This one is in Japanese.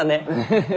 フフ。